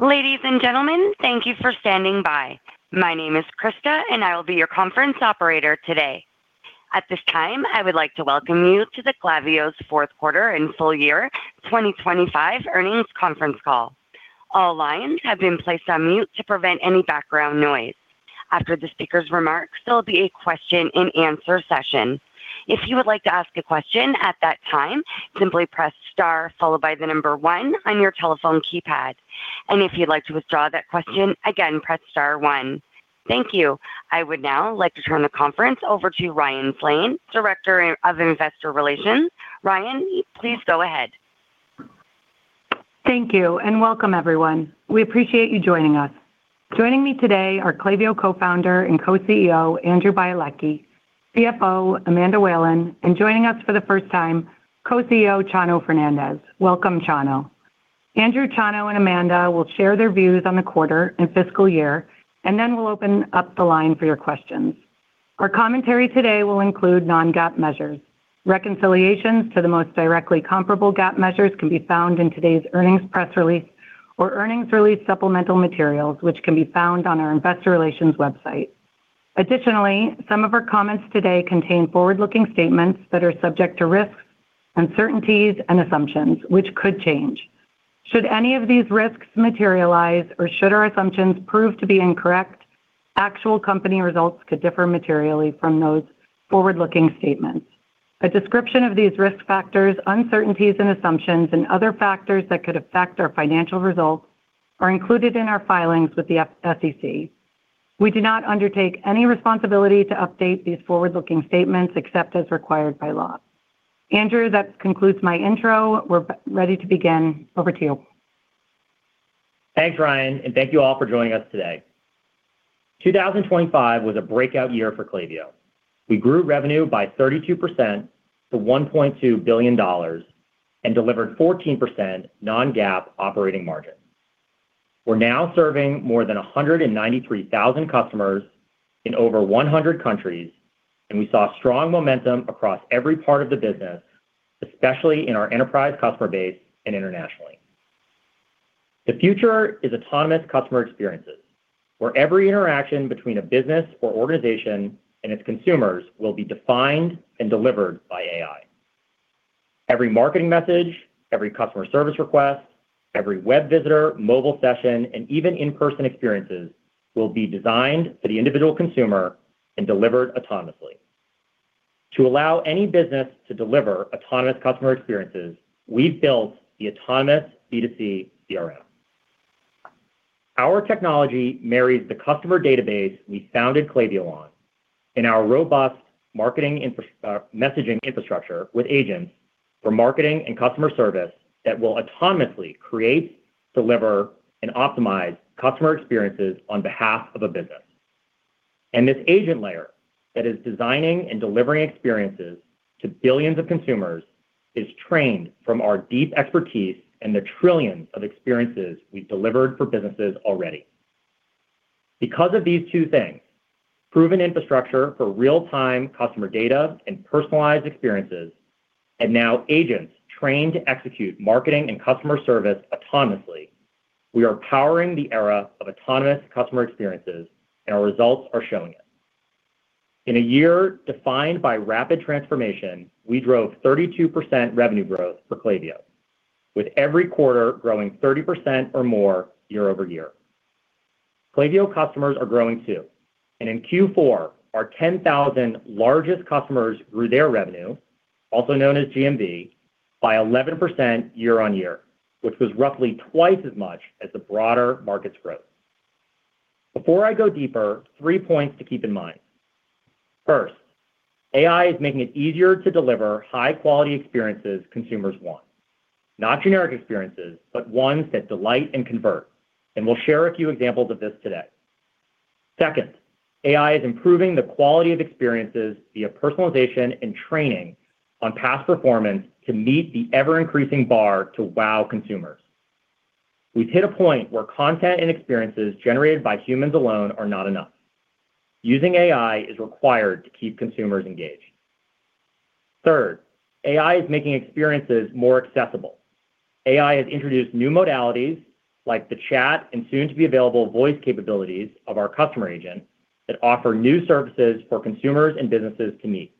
Ladies and gentlemen, thank you for standing by. My name is Krista, and I will be your conference operator today. At this time, I would like to welcome you to the Klaviyo's fourth quarter and full-year 2025 earnings conference call. All lines have been placed on mute to prevent any background noise. After the speaker's remarks, there will be a question-and-answer session. If you would like to ask a question at that time, simply press star followed by the number one on your telephone keypad. If you'd like to withdraw that question, again, press star one. Thank you. I would now like to turn the conference over to Ryan Flaim, Director of Investor Relations. Ryan, please go ahead. Thank you, and welcome, everyone. We appreciate you joining us. Joining me today are Klaviyo Co-founder and Co-CEO Andrew Bialecki, CFO Amanda Whalen, and joining us for the first time, Co-CEO Chano Fernandez. Welcome, Chano. Andrew, Chano, and Amanda will share their views on the quarter and fiscal year, and then we'll open up the line for your questions. Our commentary today will include non-GAAP measures. Reconciliations to the most directly comparable GAAP measures can be found in today's earnings press release or earnings release supplemental materials, which can be found on our Investor Relations website. Additionally, some of our comments today contain forward-looking statements that are subject to risks, uncertainties, and assumptions, which could change. Should any of these risks materialize or should our assumptions prove to be incorrect, actual company results could differ materially from those forward-looking statements. A description of these risk factors, uncertainties, and assumptions, and other factors that could affect our financial results are included in our filings with the SEC. We do not undertake any responsibility to update these forward-looking statements except as required by law. Andrew, that concludes my intro. We're ready to begin. Over to you. Thanks, Ryan, and thank you all for joining us today. 2025 was a breakout year for Klaviyo. We grew revenue by 32% to $1.2 billion and delivered 14% non-GAAP operating margin. We're now serving more than 193,000 customers in over 100 countries, and we saw strong momentum across every part of the business, especially in our enterprise customer base and internationally. The future is autonomous customer experiences, where every interaction between a business or organization and its consumers will be defined and delivered by AI. Every marketing message, every customer service request, every web visitor, mobile session, and even in-person experiences will be designed for the individual consumer and delivered autonomously. To allow any business to deliver autonomous customer experiences, we've built the autonomous B2C CRM. Our technology marries the customer database we founded Klaviyo on and our robust marketing messaging infrastructure with agents for marketing and customer service that will autonomously create, deliver, and optimize customer experiences on behalf of a business. This agent layer that is designing and delivering experiences to billions of consumers is trained from our deep expertise and the trillions of experiences we've delivered for businesses already. Because of these two things, proven infrastructure for real-time customer data and personalized experiences, and now agents trained to execute marketing and customer service autonomously, we are powering the era of autonomous customer experiences, and our results are showing it. In a year defined by rapid transformation, we drove 32% revenue growth for Klaviyo, with every quarter growing 30% or more year-over-year. Klaviyo customers are growing too, and in Q4, our 10,000 largest customers grew their revenue, also known as GMV, by 11% year-on-year, which was roughly twice as much as the broader market's growth. Before I go deeper, three points to keep in mind. First, AI is making it easier to deliver high-quality experiences consumers want, not generic experiences, but ones that delight and convert, and we'll share a few examples of this today. Second, AI is improving the quality of experiences via personalization and training on past performance to meet the ever-increasing bar to wow consumers. We've hit a point where content and experiences generated by humans alone are not enough. Using AI is required to keep consumers engaged. Third, AI is making experiences more accessible. AI has introduced new modalities, like the chat and soon-to-be-available voice capabilities of our Customer Agent, that offer new services for consumers and businesses to meet.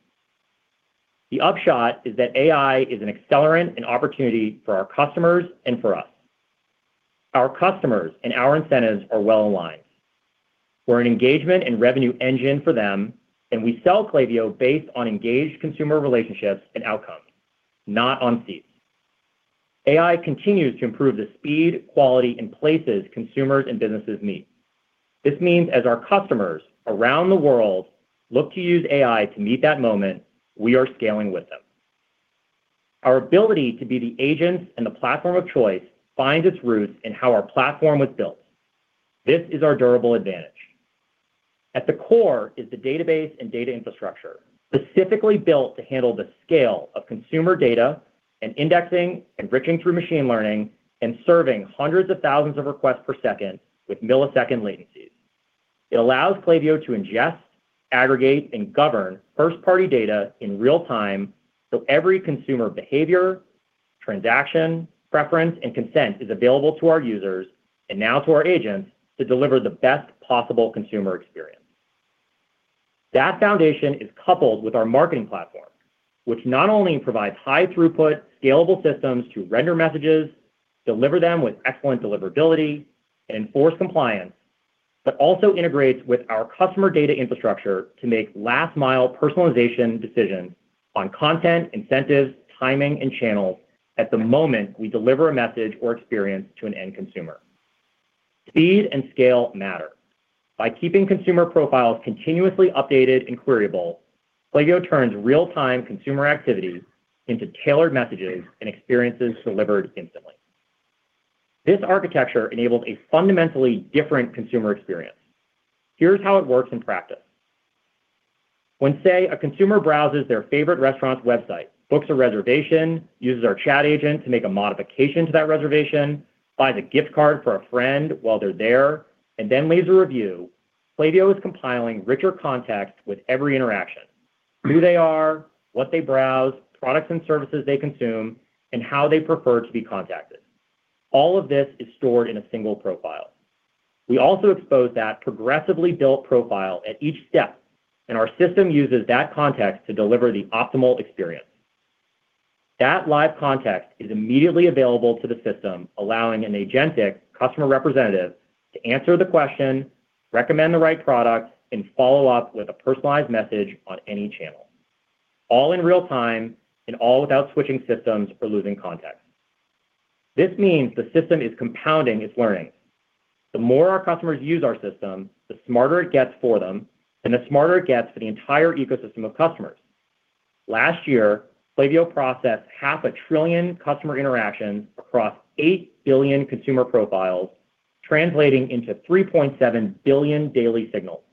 The upshot is that AI is an accelerant and opportunity for our customers and for us. Our customers and our incentives are well aligned. We're an engagement and revenue engine for them, and we sell Klaviyo based on engaged consumer relationships and outcomes, not on seats. AI continues to improve the speed, quality, and places consumers and businesses meet. This means as our customers around the world look to use AI to meet that moment, we are scaling with them. Our ability to be the agents and the platform of choice finds its roots in how our platform was built. This is our durable advantage. At the core is the database and data infrastructure, specifically built to handle the scale of consumer data and indexing and enriching through machine learning and serving hundreds of thousands of requests per second with millisecond latencies. It allows Klaviyo to ingest, aggregate, and govern first-party data in real time so every consumer behavior, transaction, preference, and consent is available to our users and now to our agents to deliver the best possible consumer experience. That foundation is coupled with our marketing platform, which not only provides high-throughput, scalable systems to render messages, deliver them with excellent deliverability, and enforce compliance, but also integrates with our customer data infrastructure to make last-mile personalization decisions on content, incentives, timing, and channels at the moment we deliver a message or experience to an end consumer. Speed and scale matter. By keeping consumer profiles continuously updated and queryable, Klaviyo turns real-time consumer activity into tailored messages and experiences delivered instantly. This architecture enables a fundamentally different consumer experience. Here's how it works in practice. When, say, a consumer browses their favorite restaurant's website, books a reservation, uses our chat agent to make a modification to that reservation, buys a gift card for a friend while they're there, and then leaves a review, Klaviyo is compiling richer context with every interaction: who they are, what they browse, products and services they consume, and how they prefer to be contacted. All of this is stored in a single profile. We also expose that progressively built profile at each step, and our system uses that context to deliver the optimal experience. That live context is immediately available to the system, allowing an agentic customer representative to answer the question, recommend the right product, and follow up with a personalized message on any channel, all in real time and all without switching systems or losing context. This means the system is compounding its learning. The more our customers use our system, the smarter it gets for them, and the smarter it gets for the entire ecosystem of customers. Last year, Klaviyo processed half a trillion customer interactions across 8 billion consumer profiles, translating into 3.7 billion daily signals,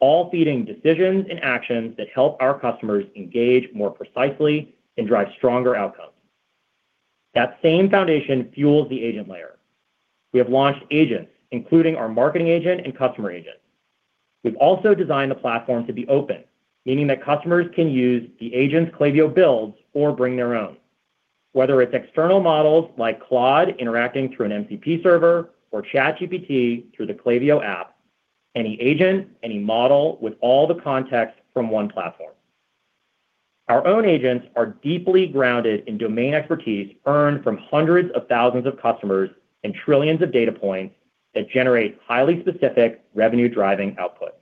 all feeding decisions and actions that help our customers engage more precisely and drive stronger outcomes. That same foundation fuels the agent layer. We have launched agents, including our Marketing Agent and Customer Agent. We've also designed the platform to be open, meaning that customers can use the agents Klaviyo builds or bring their own. Whether it's external models like Claude interacting through an MCP server or ChatGPT through the Klaviyo app, any agent, any model with all the context from one platform. Our own agents are deeply grounded in domain expertise earned from hundreds of thousands of customers and trillions of data points that generate highly specific revenue-driving output.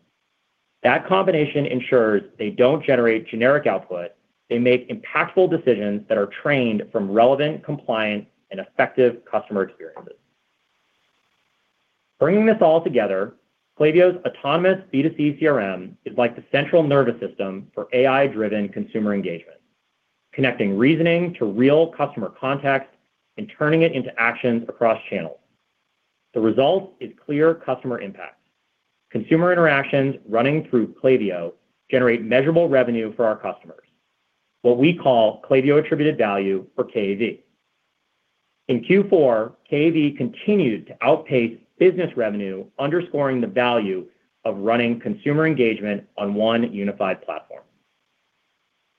That combination ensures they don't generate generic output. They make impactful decisions that are trained from relevant, compliant, and effective customer experiences. Bringing this all together, Klaviyo's autonomous B2C CRM is like the central nervous system for AI-driven consumer engagement, connecting reasoning to real customer context and turning it into actions across channels. The result is clear customer impact. Consumer interactions running through Klaviyo generate measurable revenue for our customers, what we call Klaviyo Attributed Value or KAV. In Q4, KAV continued to outpace business revenue, underscoring the value of running consumer engagement on one unified platform.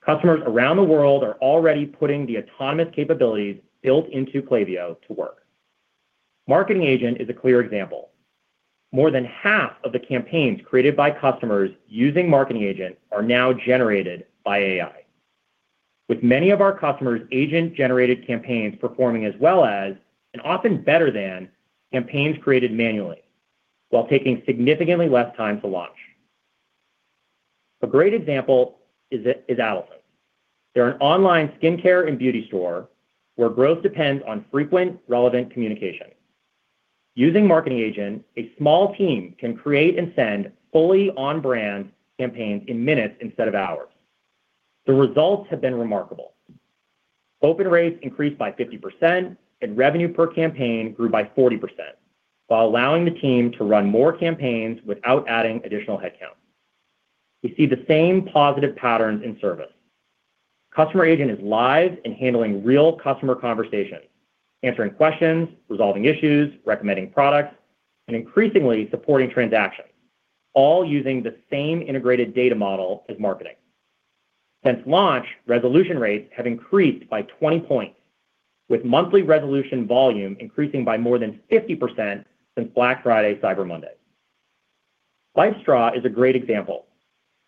Customers around the world are already putting the autonomous capabilities built into Klaviyo to work. Marketing Agent is a clear example. More than half of the campaigns created by customers using Marketing Agent are now generated by AI, with many of our customers' agent-generated campaigns performing as well as, and often better than, campaigns created manually while taking significantly less time to launch. A great example is Adore Beauty. They're an online skincare and beauty store where growth depends on frequent, relevant communication. Using Marketing Agent, a small team can create and send fully on-brand campaigns in minutes instead of hours. The results have been remarkable. Open rates increased by 50%, and revenue per campaign grew by 40% while allowing the team to run more campaigns without adding additional headcount. We see the same positive patterns in service. Customer Agent is live and handling real customer conversations, answering questions, resolving issues, recommending products, and increasingly supporting transactions, all using the same integrated data model as Marketing. Since launch, resolution rates have increased by 20 points, with monthly resolution volume increasing by more than 50% since Black Friday, Cyber Monday. LifeStraw is a great example.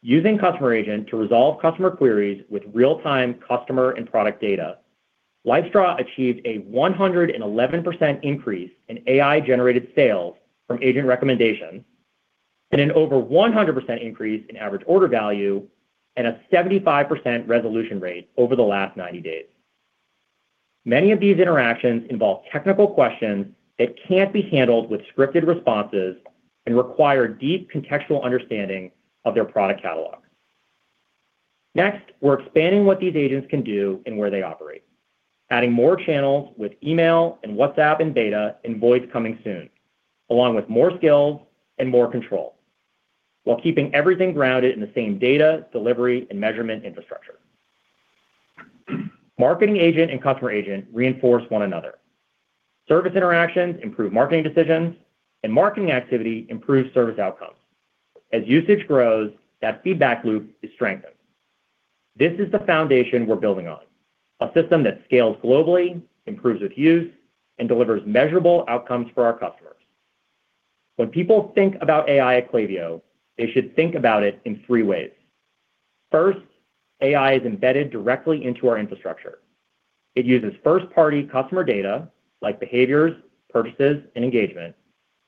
Using Customer Agent to resolve customer queries with real-time customer and product data, LifeStraw achieved a 111% increase in AI-generated sales from agent recommendations, and an over 100% increase in average order value and a 75% resolution rate over the last 90 days. Many of these interactions involve technical questions that can't be handled with scripted responses and require deep contextual understanding of their product catalog. Next, we're expanding what these agents can do and where they operate, adding more channels with email and WhatsApp in beta and voice coming soon, along with more skills and more control while keeping everything grounded in the same data delivery and measurement infrastructure. Marketing Agent and Customer Agent reinforce one another. Service interactions improve marketing decisions, and marketing activity improves service outcomes. As usage grows, that feedback loop is strengthened. This is the foundation we're building on: a system that scales globally, improves with use, and delivers measurable outcomes for our customers. When people think about AI at Klaviyo, they should think about it in three ways. First, AI is embedded directly into our infrastructure. It uses first-party customer data, like behaviors, purchases, and engagement,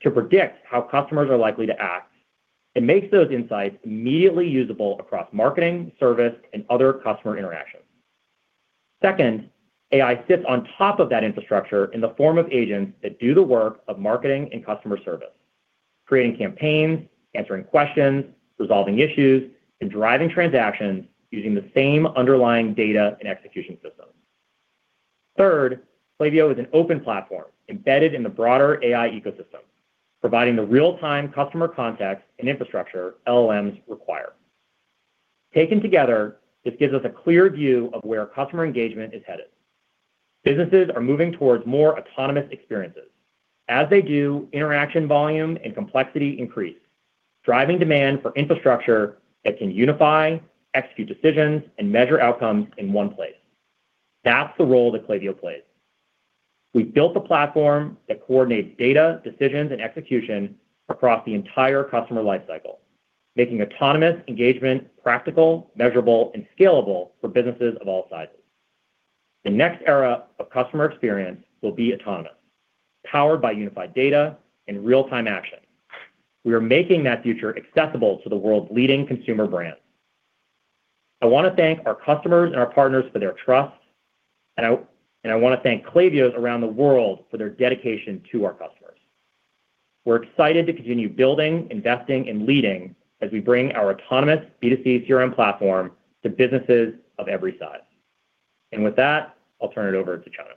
to predict how customers are likely to act and makes those insights immediately usable across marketing, service, and other customer interactions. Second, AI sits on top of that infrastructure in the form of agents that do the work of marketing and customer service, creating campaigns, answering questions, resolving issues, and driving transactions using the same underlying data and execution systems. Third, Klaviyo is an open platform embedded in the broader AI ecosystem, providing the real-time customer context and infrastructure LLMs require. Taken together, this gives us a clear view of where customer engagement is headed. Businesses are moving towards more autonomous experiences. As they do, interaction volume and complexity increase, driving demand for infrastructure that can unify, execute decisions, and measure outcomes in one place. That's the role that Klaviyo plays. We've built a platform that coordinates data, decisions, and execution across the entire customer lifecycle, making autonomous engagement practical, measurable, and scalable for businesses of all sizes. The next era of customer experience will be autonomous, powered by unified data and real-time action. We are making that future accessible to the world's leading consumer brands. I want to thank our customers and our partners for their trust, and I want to thank Klaviyo's around the world for their dedication to our customers. We're excited to continue building, investing, and leading as we bring our autonomous B2C CRM platform to businesses of every size. With that, I'll turn it over to Chano.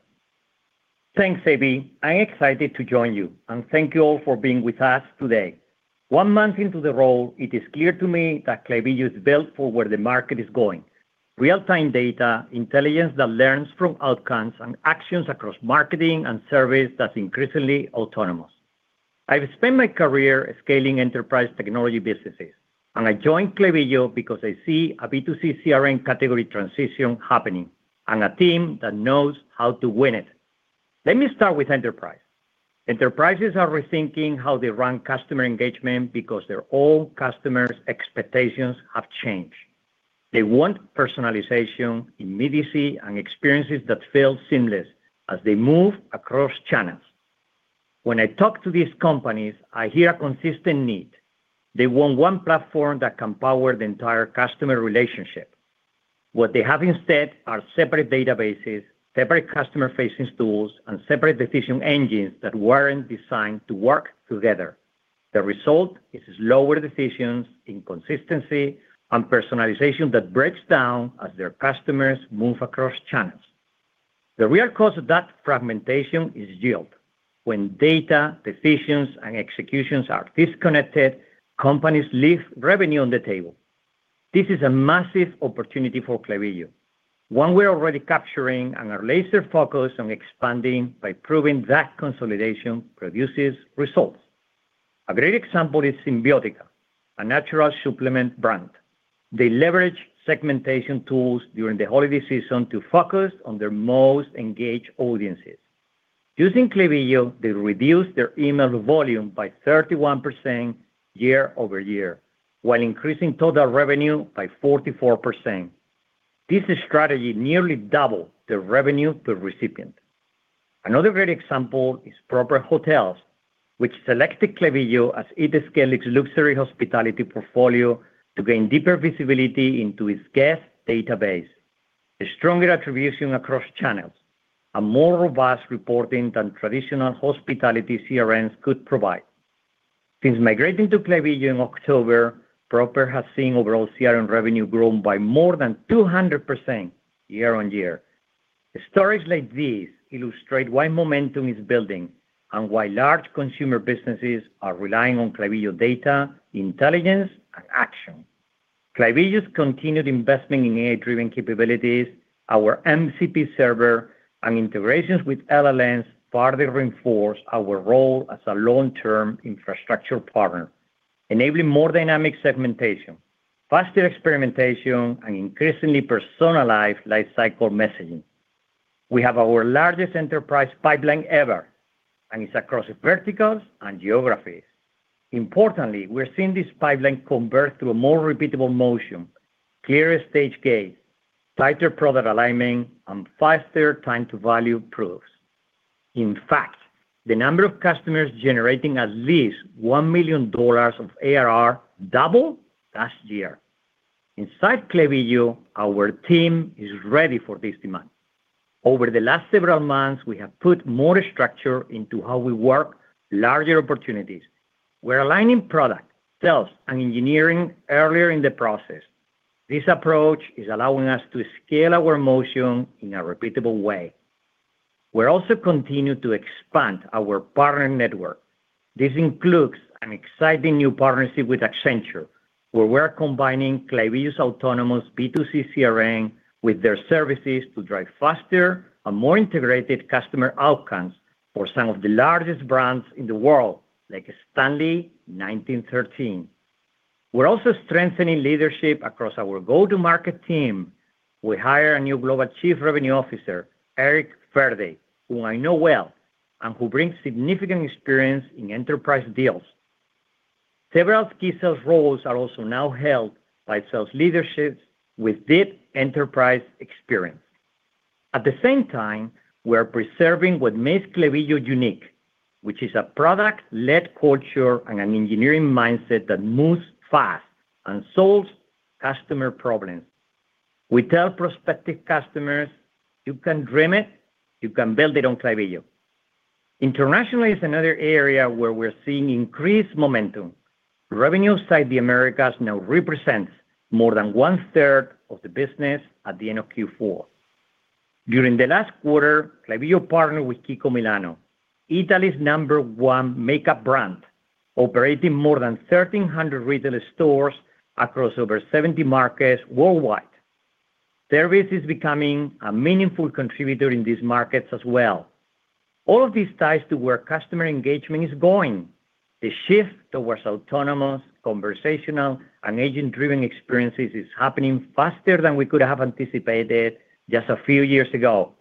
Thanks, AB. I'm excited to join you, and thank you all for being with us today. One month into the role, it is clear to me that Klaviyo is built for where the market is going: real-time data, intelligence that learns from outcomes and actions across marketing and service that's increasingly autonomous. I've spent my career scaling enterprise technology businesses, and I joined Klaviyo because I see a B2C CRM category transition happening and a team that knows how to win it. Let me start with enterprise. Enterprises are rethinking how they run customer engagement because their old customers' expectations have changed. They want personalization, immediacy, and experiences that feel seamless as they move across channels. When I talk to these companies, I hear a consistent need: they want one platform that can power the entire customer relationship. What they have instead are separate databases, separate customer-facing tools, and separate decision engines that weren't designed to work together. The result is slower decisions, inconsistency, and personalization that breaks down as their customers move across channels. The real cost of that fragmentation is yield. When data, decisions, and executions are disconnected, companies leave revenue on the table. This is a massive opportunity for Klaviyo, one we're already capturing and are laser-focused on expanding by proving that consolidation produces results. A great example is Cymbiotika, a natural supplement brand. They leverage segmentation tools during the holiday season to focus on their most engaged audiences. Using Klaviyo, they reduced their email volume by 31% year-over-year while increasing total revenue by 44%. This strategy nearly doubled their revenue per recipient. Another great example is Proper Hotels, which selected Klaviyo as its select luxury hospitality portfolio to gain deeper visibility into its guest database, a stronger attribution across channels, and more robust reporting than traditional hospitality CRMs could provide. Since migrating to Klaviyo in October, Proper has seen overall CRM revenue grow by more than 200% year-over-year. Stories like these illustrate why momentum is building and why large consumer businesses are relying on Klaviyo data, intelligence, and action. Klaviyo's continued investment in AI-driven capabilities, our MCP server, and integrations with LLMs further reinforce our role as a long-term infrastructure partner, enabling more dynamic segmentation, faster experimentation, and increasingly personalized lifecycle messaging. We have our largest enterprise pipeline ever, and it's across verticals and geographies. Importantly, we're seeing this pipeline convert through a more repeatable motion, clearer stage gates, tighter product alignment, and faster time-to-value proofs. In fact, the number of customers generating at least $1 million of ARR doubled last year. Inside Klaviyo, our team is ready for this demand. Over the last several months, we have put more structure into how we work larger opportunities. We're aligning product, sales, and engineering earlier in the process. This approach is allowing us to scale our motion in a repeatable way. We also continue to expand our partner network. This includes an exciting new partnership with Accenture, where we're combining Klaviyo's autonomous B2C CRM with their services to drive faster and more integrated customer outcomes for some of the largest brands in the world, like Stanley 1913. We're also strengthening leadership across our go-to-market team. We hired a new Global Chief Revenue Officer, Eric Fearday, whom I know well and who brings significant experience in enterprise deals. Several key sales roles are also now held by sales leadership with deep enterprise experience. At the same time, we are preserving what makes Klaviyo unique, which is a product-led culture and an engineering mindset that moves fast and solves customer problems. We tell prospective customers, you can dream it, you can build it on Klaviyo. Internationally, it's another area where we're seeing increased momentum. Revenue outside the Americas now represents more than one-third of the business at the end of Q4. During the last quarter, Klaviyo partnered with KIKO Milano, Italy's number one makeup brand, operating more than 1,300 retail stores across over 70 markets worldwide. Their business is becoming a meaningful contributor in these markets as well. All of this ties to where customer engagement is going. The shift towards autonomous, conversational, and agent-driven experiences is happening faster than we could have anticipated just a few years ago,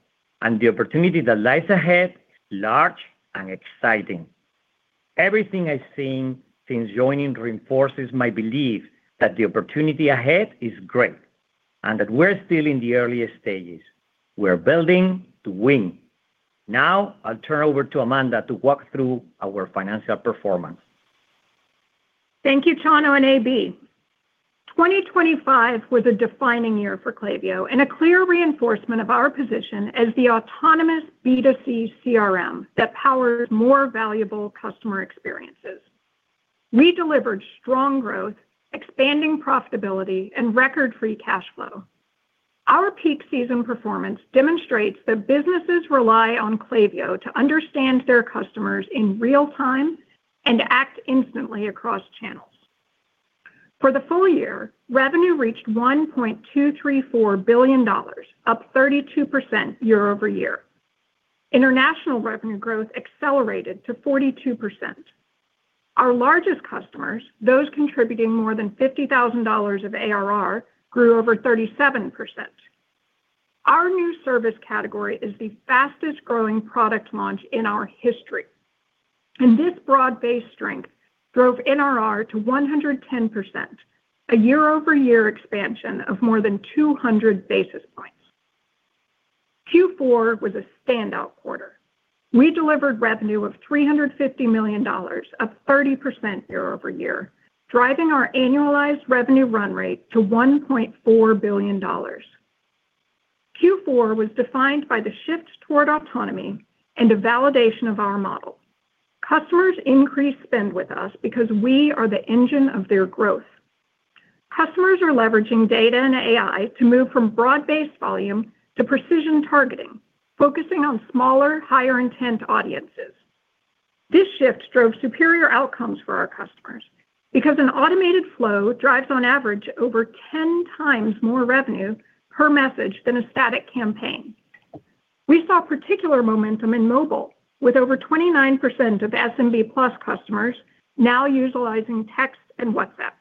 and the opportunity that lies ahead is large and exciting. Everything I've seen since joining reinforces my belief that the opportunity ahead is great and that we're still in the early stages. We're building to win. Now, I'll turn over to Amanda to walk through our financial performance. Thank you, Chano and AB. 2025 was a defining year for Klaviyo and a clear reinforcement of our position as the autonomous B2C CRM that powers more valuable customer experiences. We delivered strong growth, expanding profitability, and record free cash flow. Our peak season performance demonstrates that businesses rely on Klaviyo to understand their customers in real time and act instantly across channels. For the full year, revenue reached $1.234 billion, up 32% year-over-year. International revenue growth accelerated to 42%. Our largest customers, those contributing more than $50,000 of ARR, grew over 37%. Our new service category is the fastest-growing product launch in our history, and this broad-based strength drove NRR to 110%, a year-over-year expansion of more than 200 basis points. Q4 was a standout quarter. We delivered revenue of $350 million, up 30% year-over-year, driving our annualized revenue run rate to $1.4 billion. Q4 was defined by the shift toward autonomy and the validation of our model. Customers increase spend with us because we are the engine of their growth. Customers are leveraging data and AI to move from broad-based volume to precision targeting, focusing on smaller, higher-intent audiences. This shift drove superior outcomes for our customers because an automated flow drives, on average, over 10x more revenue per message than a static campaign. We saw particular momentum in mobile, with over 29% of SMB Plus customers now utilizing text and WhatsApp.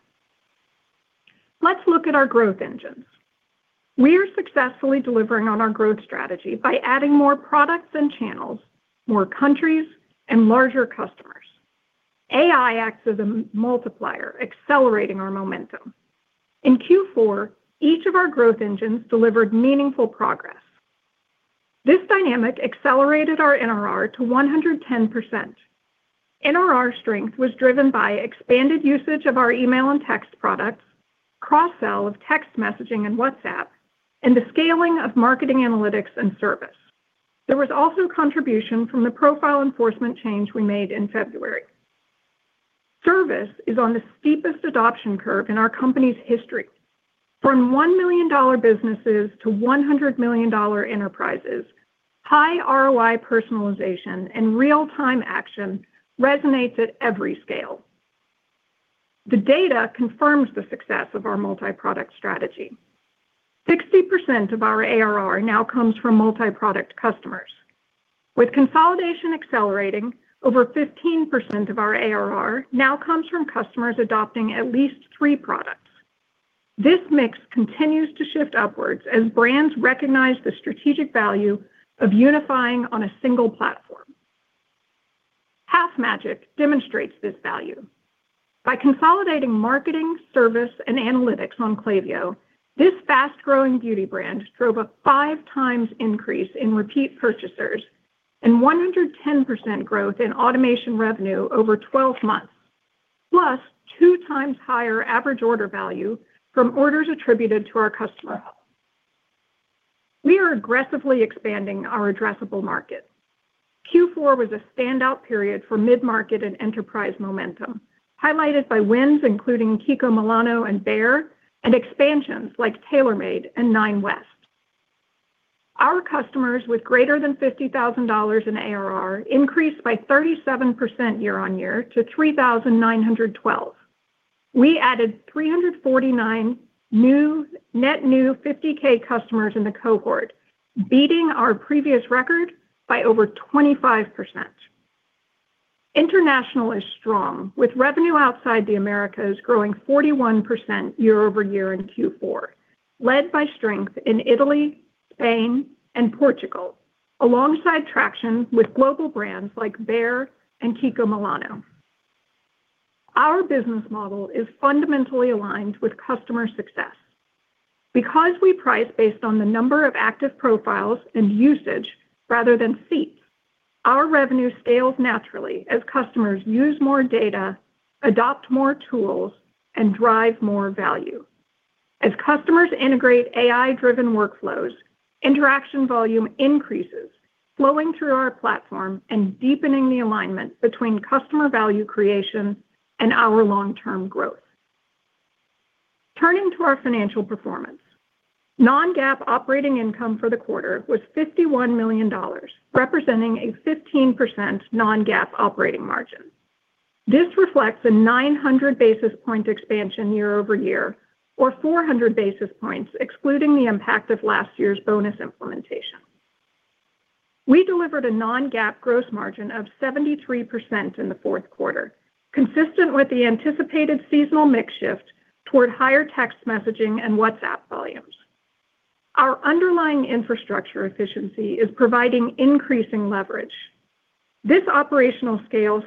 Let's look at our growth engines. We are successfully delivering on our growth strategy by adding more products and channels, more countries, and larger customers. AI acts as a multiplier, accelerating our momentum. In Q4, each of our growth engines delivered meaningful progress. This dynamic accelerated our NRR to 110%. NRR strength was driven by expanded usage of our email and text products, cross-sell of text messaging and WhatsApp, and the scaling of marketing analytics and service. There was also contribution from the profile enforcement change we made in February. Service is on the steepest adoption curve in our company's history. From $1 million businesses to $100 million enterprises, high ROI personalization and real-time action resonate at every scale. The data confirms the success of our multi-product strategy, 60% of our ARR now comes from multi-product customers. With consolidation accelerating, over 15% of our ARR now comes from customers adopting at least three products. This mix continues to shift upwards as brands recognize the strategic value of unifying on a single platform. Half Magic demonstrates this value. By consolidating marketing, service, and analytics on Klaviyo, this fast-growing beauty brand drove a 5x increase in repeat purchasers and 110% growth in automation revenue over 12 months, plus 2x higher average order value from orders attributed to our customer health. We are aggressively expanding our addressable market. Q4 was a standout period for mid-market and enterprise momentum, highlighted by wins including KIKO Milano and Bayer and expansions like TaylorMade and Nine West. Our customers with greater than $50,000 in ARR increased by 37% year-over-year to 3,912. We added 349 net new 50K customers in the cohort, beating our previous record by over 25%. International is strong, with revenue outside the Americas growing 41% year-over-year in Q4, led by strength in Italy, Spain, and Portugal, alongside traction with global brands like Bayer and KIKO Milano. Our business model is fundamentally aligned with customer success. Because we price based on the number of active profiles and usage rather than seats, our revenue scales naturally as customers use more data, adopt more tools, and drive more value. As customers integrate AI-driven workflows, interaction volume increases, flowing through our platform and deepening the alignment between customer value creation and our long-term growth. Turning to our financial performance, non-GAAP operating income for the quarter was $51 million, representing a 15% non-GAAP operating margin. This reflects a 900-basis-point expansion year-over-year, or 400 basis points excluding the impact of last year's bonus implementation. We delivered a non-GAAP gross margin of 73% in the fourth quarter, consistent with the anticipated seasonal mix shift toward higher text messaging and WhatsApp volumes. Our underlying infrastructure efficiency is providing increasing leverage. This operational scale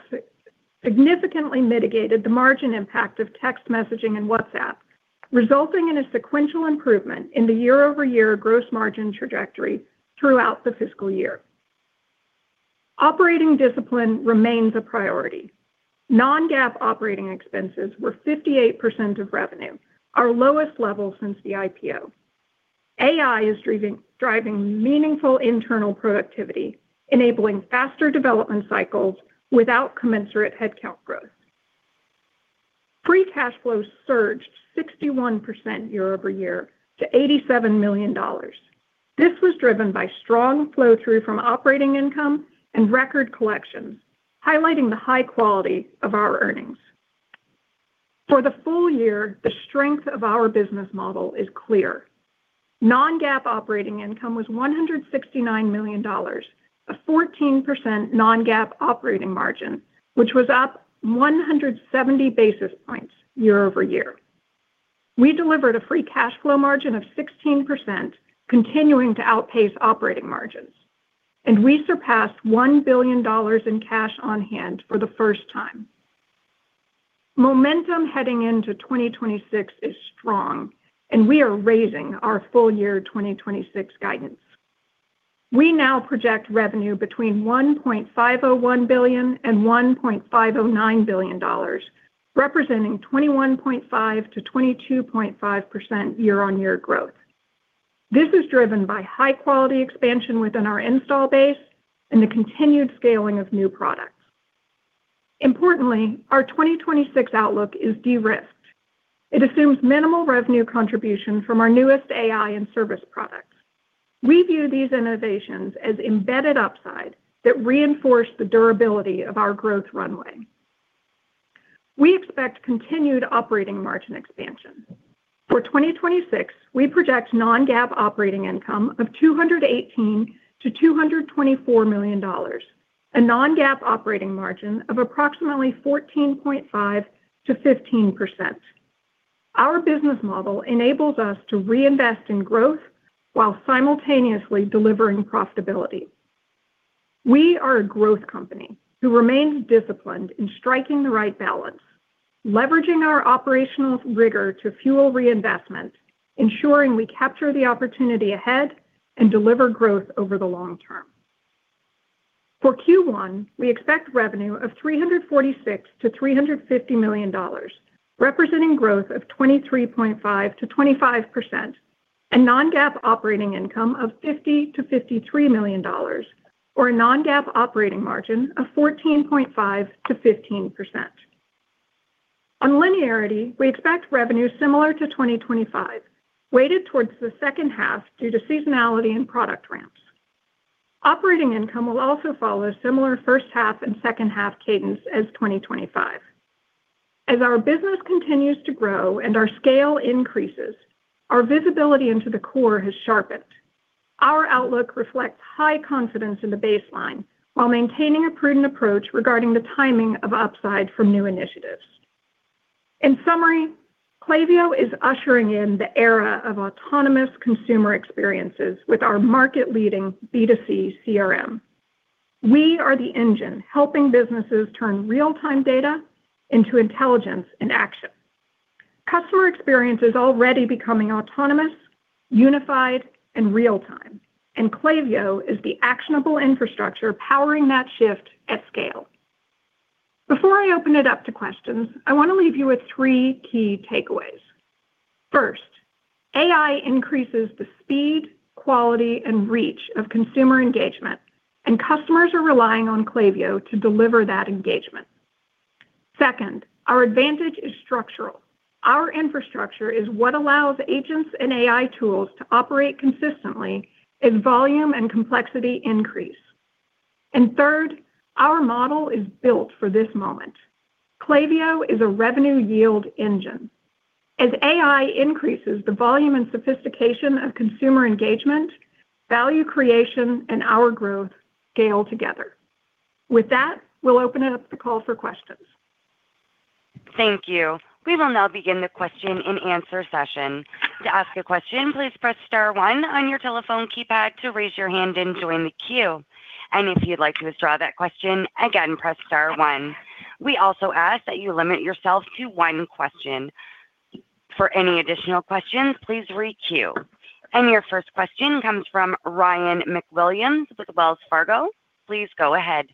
significantly mitigated the margin impact of text messaging and WhatsApp, resulting in a sequential improvement in the year-over-year gross margin trajectory throughout the fiscal year. Operating discipline remains a priority. Non-GAAP operating expenses were 58% of revenue, our lowest level since the IPO. AI is driving meaningful internal productivity, enabling faster development cycles without commensurate headcount growth. Free cash flow surged 61% year-over-year to $87 million. This was driven by strong flow-through from operating income and record collections, highlighting the high quality of our earnings. For the full year, the strength of our business model is clear. Non-GAAP operating income was $169 million, a 14% non-GAAP operating margin, which was up 170 basis points year-over-year. We delivered a free cash flow margin of 16%, continuing to outpace operating margins, and we surpassed $1 billion in cash on hand for the first time. Momentum heading into 2026 is strong, and we are raising our full-year 2026 guidance. We now project revenue between $1.501 billion and $1.509 billion, representing 21.5%-22.5% year-on-year growth. This is driven by high-quality expansion within our install base and the continued scaling of new products. Importantly, our 2026 outlook is de-risked. It assumes minimal revenue contribution from our newest AI and service products. We view these innovations as embedded upside that reinforce the durability of our growth runway. We expect continued operating margin expansion. For 2026, we project non-GAAP operating income of $218 million-$224 million, a non-GAAP operating margin of approximately 14.5%-15%. Our business model enables us to reinvest in growth while simultaneously delivering profitability. We are a growth company who remains disciplined in striking the right balance, leveraging our operational rigor to fuel reinvestment, ensuring we capture the opportunity ahead and deliver growth over the long term. For Q1, we expect revenue of $346 million-$350 million, representing growth of 23.5%-25%, and non-GAAP operating income of $50 million-$53 million, or a non-GAAP operating margin of 14.5%-15%. On linearity, we expect revenue similar to 2025, weighted towards the second half due to seasonality and product ramps. Operating income will also follow similar first-half and second-half cadence as 2025. As our business continues to grow and our scale increases, our visibility into the core has sharpened. Our outlook reflects high confidence in the baseline while maintaining a prudent approach regarding the timing of upside from new initiatives. In summary, Klaviyo is ushering in the era of autonomous consumer experiences with our market-leading B2C CRM. We are the engine helping businesses turn real-time data into intelligence and action. Customer experience is already becoming autonomous, unified, and real-time, and Klaviyo is the actionable infrastructure powering that shift at scale. Before I open it up to questions, I want to leave you with three key takeaways. First, AI increases the speed, quality, and reach of consumer engagement, and customers are relying on Klaviyo to deliver that engagement. Second, our advantage is structural. Our infrastructure is what allows agents and AI tools to operate consistently as volume and complexity increase. And third, our model is built for this moment. Klaviyo is a revenue-yield engine. As AI increases, the volume and sophistication of consumer engagement, value creation, and our growth scale together. With that, we'll open it up to call for questions. Thank you. We will now begin the question-and-answer session. To ask a question, please press star one on your telephone keypad to raise your hand and join the queue. And if you'd like to withdraw that question, again, press star one. We also ask that you limit yourself to one question. For any additional questions, please re-queue. And your first question comes from Ryan MacWilliams with Wells Fargo. Please go ahead.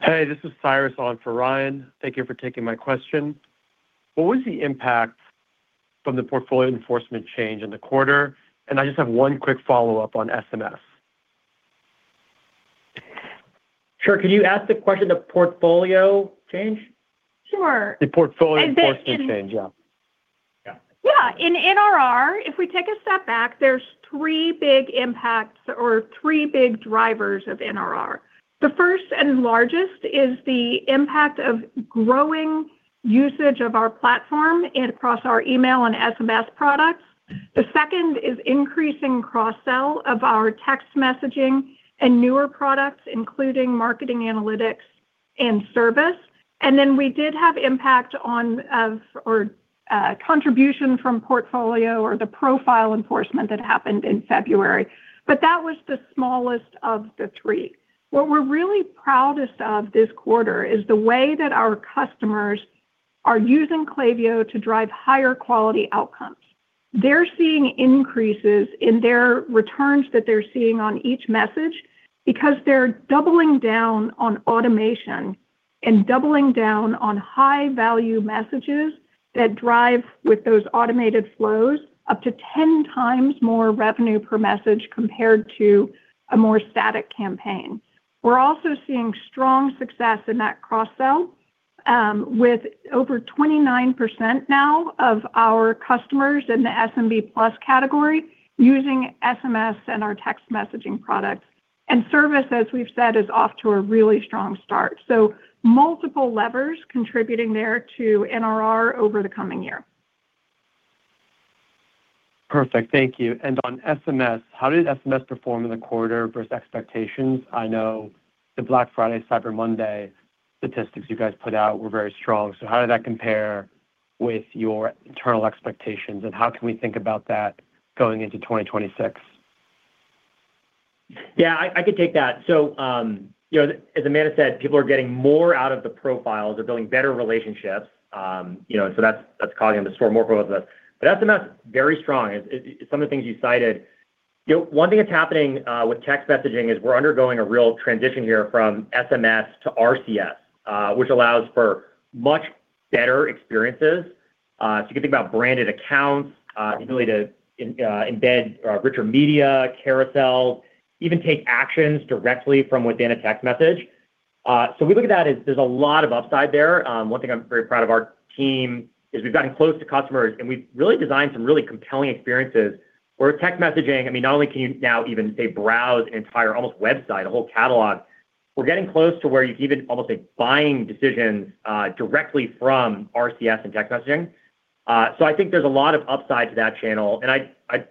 Hey, this is Cyrus on for Ryan. Thank you for taking my question. What was the impact from the portfolio enforcement change in the quarter? I just have one quick follow-up on SMS. Sure. Can you answer the question of portfolio change? Sure. The portfolio enforcement change. Yeah. Yeah. In NRR, if we take a step back, there's three big impacts or three big drivers of NRR. The first and largest is the impact of growing usage of our platform across our email and SMS products. The second is increasing cross-sell of our text messaging and newer products, including marketing analytics and service. And then we did have impact on contribution from portfolio or the profile enforcement that happened in February, but that was the smallest of the three. What we're really proudest of this quarter is the way that our customers are using Klaviyo to drive higher-quality outcomes. They're seeing increases in their returns that they're seeing on each message because they're doubling down on automation and doubling down on high-value messages that drive, with those automated flows, up to 10x more revenue per message compared to a more static campaign. We're also seeing strong success in that cross-sell, with over 29% now of our customers in the SMB Plus category using SMS and our text messaging products. Service, as we've said, is off to a really strong start. Multiple levers contributing there to NRR over the coming year. Perfect. Thank you. And on SMS, how did SMS perform in the quarter versus expectations? I know the Black Friday, Cyber Monday statistics you guys put out were very strong. So how did that compare with your internal expectations, and how can we think about that going into 2026? Yeah, I could take that. So as Amanda said, people are getting more out of the profiles. They're building better relationships. So that's causing them to store more profiles with us. But SMS, very strong. Some of the things you cited. One thing that's happening with text messaging is we're undergoing a real transition here from SMS to RCS, which allows for much better experiences. So you can think about branded accounts, the ability to embed richer media, carousels, even take actions directly from within a text message. So we look at that as there's a lot of upside there. One thing I'm very proud of our team is we've gotten close to customers, and we've really designed some really compelling experiences where text messaging, I mean, not only can you now even say browse an entire almost website, a whole catalog, we're getting close to where you can even almost say buying decisions directly from RCS and text messaging. So I think there's a lot of upside to that channel. And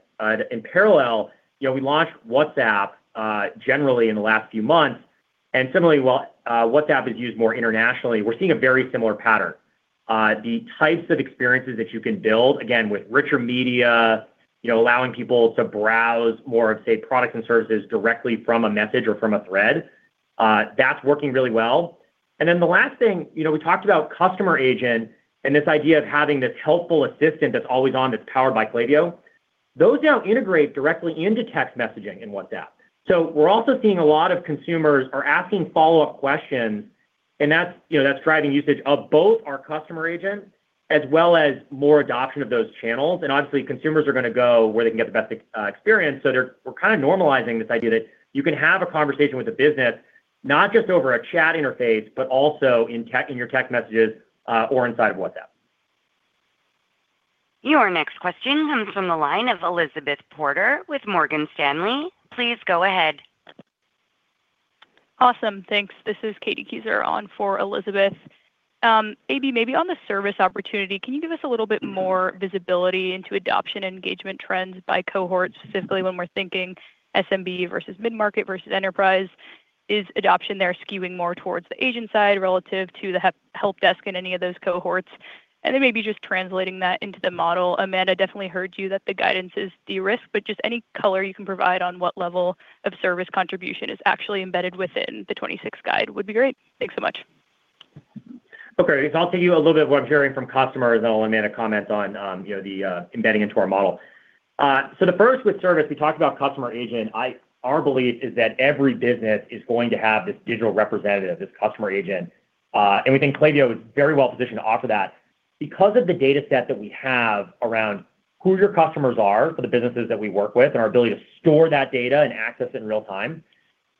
in parallel, we launched WhatsApp generally in the last few months. And similarly, while WhatsApp is used more internationally, we're seeing a very similar pattern. The types of experiences that you can build, again, with richer media, allowing people to browse more of, say, products and services directly from a message or from a thread, that's working really well. Then the last thing, we talked about Customer Agent and this idea of having this helpful assistant that's always on that's powered by Klaviyo. Those now integrate directly into text messaging in WhatsApp. So we're also seeing a lot of consumers are asking follow-up questions, and that's driving usage of both our Customer Agent as well as more adoption of those channels. And obviously, consumers are going to go where they can get the best experience. So we're kind of normalizing this idea that you can have a conversation with a business not just over a chat interface but also in your text messages or inside of WhatsApp. Your next question comes from the line of Elizabeth Porter with Morgan Stanley. Please go ahead. Awesome. Thanks. This is Katie Keyser on for Elizabeth. AB, maybe on the service opportunity, can you give us a little bit more visibility into adoption and engagement trends by cohorts, specifically when we're thinking SMB versus mid-market versus enterprise? Is adoption there skewing more towards the agent side relative to the help desk in any of those cohorts? And then maybe just translating that into the model. Amanda definitely heard you that the guidance is de-risk, but just any color you can provide on what level of service contribution is actually embedded within the 2026 guide would be great. Thanks so much. Okay. So I'll take you a little bit of what I'm hearing from customers and I'll let Amanda comment on the embedding into our model. So the first with service, we talked about Customer Agent. Our belief is that every business is going to have this digital representative, this Customer Agent. And we think Klaviyo is very well positioned to offer that because of the dataset that we have around who your customers are for the businesses that we work with and our ability to store that data and access it in real time.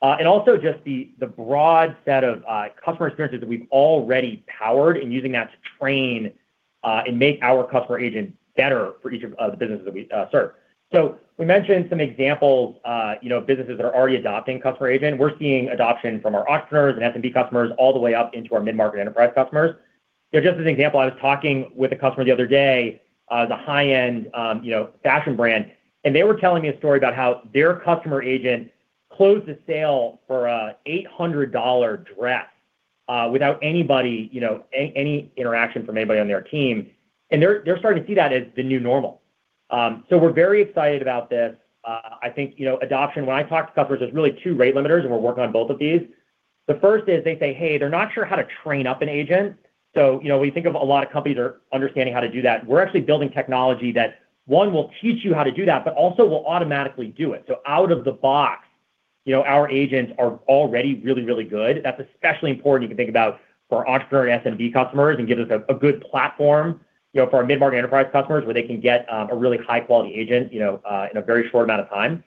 And also just the broad set of customer experiences that we've already powered and using that to train and make our Customer Agent better for each of the businesses that we serve. So we mentioned some examples, businesses that are already adopting Customer Agent. We're seeing adoption from our entrepreneurs and SMB customers all the way up into our mid-market enterprise customers. Just as an example, I was talking with a customer the other day, a high-end fashion brand, and they were telling me a story about how their Customer Agent closed a sale for a $800 dress without any interaction from anybody on their team. They're starting to see that as the new normal. So we're very excited about this. I think adoption, when I talk to customers, there's really two rate limiters, and we're working on both of these. The first is they say, hey, they're not sure how to train up an agent. So when you think of a lot of companies understanding how to do that, we're actually building technology that, one, will teach you how to do that but also will automatically do it. So out of the box, our agents are already really, really good. That's especially important you can think about for our entrepreneur and SMB customers and give us a good platform for our mid-market enterprise customers where they can get a really high-quality agent in a very short amount of time.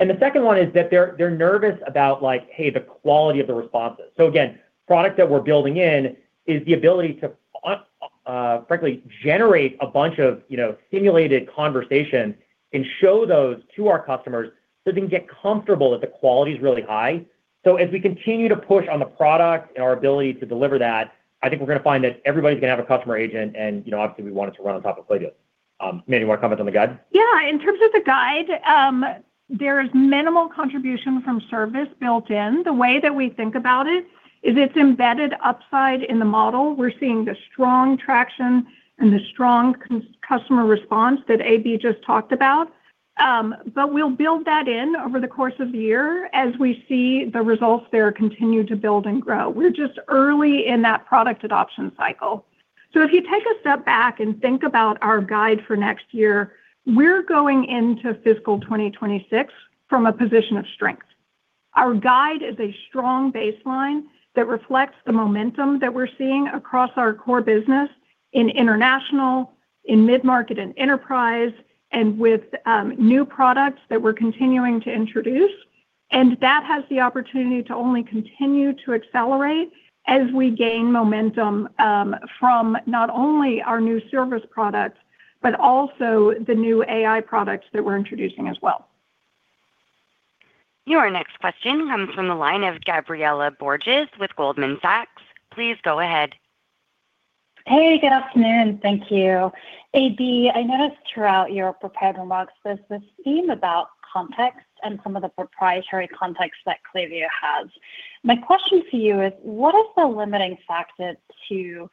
And the second one is that they're nervous about, like, hey, the quality of the responses. So again, product that we're building in is the ability to, frankly, generate a bunch of simulated conversations and show those to our customers so they can get comfortable that the quality is really high. So as we continue to push on the product and our ability to deliver that, I think we're going to find that everybody's going to have a Customer Agent, and obviously, we want it to run on top of Klaviyo. Amanda, you want to comment on the guide? Yeah. In terms of the guide, there is minimal contribution from service built in. The way that we think about it is it's embedded upside in the model. We're seeing the strong traction and the strong customer response that AB just talked about. But we'll build that in over the course of the year as we see the results there continue to build and grow. We're just early in that product adoption cycle. So if you take a step back and think about our guide for next year, we're going into fiscal 2026 from a position of strength. Our guide is a strong baseline that reflects the momentum that we're seeing across our core business in international, in mid-market, and enterprise, and with new products that we're continuing to introduce. That has the opportunity to only continue to accelerate as we gain momentum from not only our new service products but also the new AI products that we're introducing as well. Your next question comes from the line of Gabriela Borges with Goldman Sachs. Please go ahead. Hey, good afternoon. Thank you. AB, I noticed throughout your prepared remarks there's this theme about context and some of the proprietary context that Klaviyo has. My question for you is, what is the limiting factor to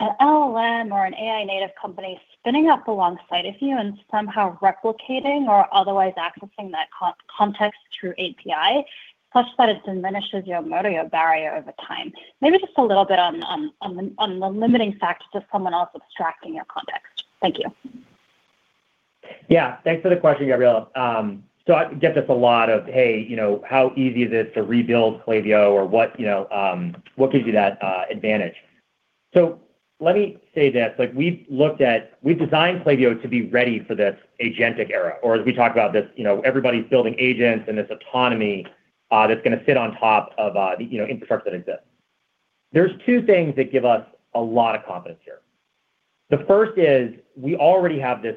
an LLM or an AI-native company spinning up alongside of you and somehow replicating or otherwise accessing that context through API such that it diminishes your moat barrier over time? Maybe just a little bit on the limiting factor to someone else abstracting your context. Thank you. Yeah. Thanks for the question, Gabriela. So I get this a lot of, hey, how easy is it to rebuild Klaviyo or what gives you that advantage? So let me say this. We've designed Klaviyo to be ready for this agentic era, or as we talk about this, everybody's building agents and this autonomy that's going to sit on top of the infrastructure that exists. There's two things that give us a lot of confidence here. The first is we already have this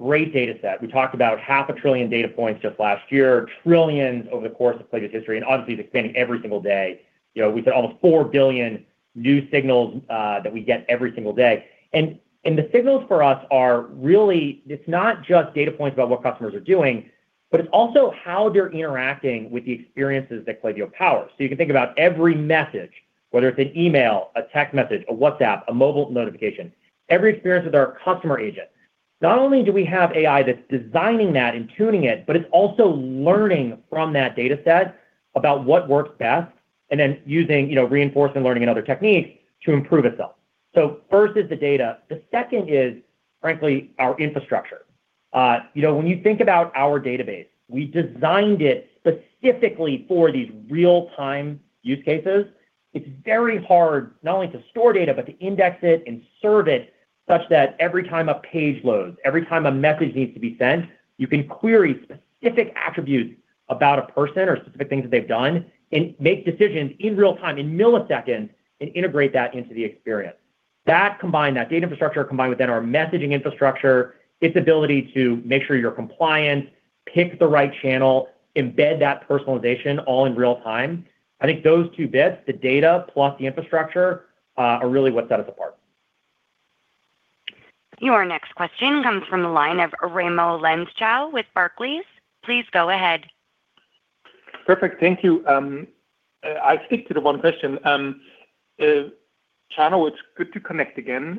great dataset. We talked about half a trillion data points just last year, trillions over the course of Klaviyo's history. And obviously, it's expanding every single day. We said almost 4 billion new signals that we get every single day. And the signals for us are really it's not just data points about what customers are doing, but it's also how they're interacting with the experiences that Klaviyo powers. So you can think about every message, whether it's an email, a text message, a WhatsApp, a mobile notification, every experience with our Customer Agent. Not only do we have AI that's designing that and tuning it, but it's also learning from that dataset about what works best and then using reinforcement learning and other techniques to improve itself. So first is the data. The second is, frankly, our infrastructure. When you think about our database, we designed it specifically for these real-time use cases. It's very hard not only to store data but to index it and serve it such that every time a page loads, every time a message needs to be sent, you can query specific attributes about a person or specific things that they've done and make decisions in real time, in milliseconds, and integrate that into the experience. Combine that data infrastructure, combine within our messaging infrastructure, its ability to make sure you're compliant, pick the right channel, embed that personalization all in real time. I think those two bits, the data plus the infrastructure, are really what set us apart. Your next question comes from the line of Raimo Lenschow with Barclays. Please go ahead. Perfect. Thank you. I stick to the one question. Chano, it's good to connect again.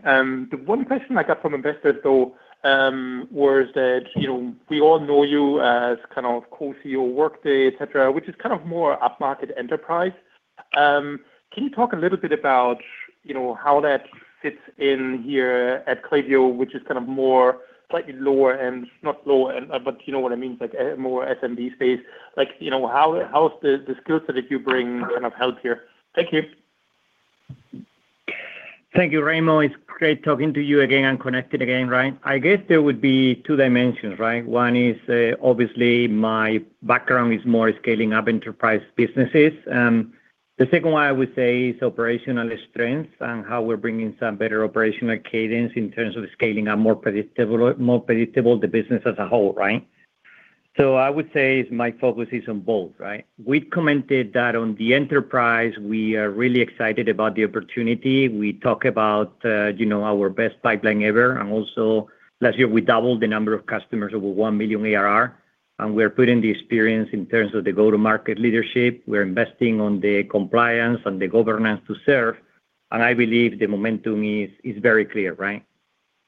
The one question I got from investors, though, was that we all know you as kind of co-CEO at Workday, etc., which is kind of more upmarket enterprise. Can you talk a little bit about how that fits in here at Klaviyo, which is kind of more slightly lower and not lower, but you know what I mean, more SMB space? How does the skill set that you bring kind of help here? Thank you. Thank you, Raimo. It's great talking to you again and connected again, right? I guess there would be two dimensions, right? One is obviously my background is more scaling up enterprise businesses. The second one I would say is operational strengths and how we're bringing some better operational cadence in terms of scaling up more predictable the business as a whole, right? So I would say my focus is on both, right? We commented that on the enterprise. We are really excited about the opportunity. We talk about our best pipeline ever. And also last year, we doubled the number of customers over $1 million ARR. And we are putting the experience in terms of the go-to-market leadership. We're investing on the compliance and the governance to serve. And I believe the momentum is very clear, right?